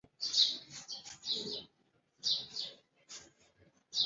সিলেট অঞ্চলের শহীদ মুক্তিযোদ্ধাদের মধ্যে তিনি অন্যতম।